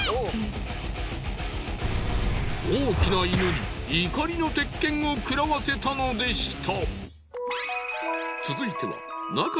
大きな犬に怒りの鉄拳を食らわせたのでした。